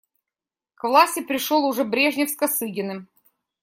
К власти пришел уже Брежнев с Косыгиным.